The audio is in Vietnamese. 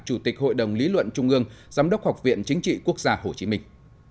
chủ tịch hội đồng lý luận trung ương giám đốc học viện chính trị quốc gia hồ chí minh